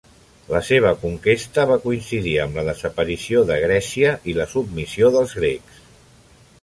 La seva conquesta va coincidir amb la desaparició de Grècia i la submissió dels grecs.